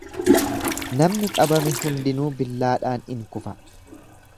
Namni qabame hundinuu billaadhaan in kufa.